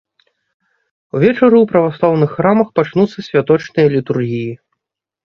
Увечары ў праваслаўных храмах пачнуцца святочныя літургіі.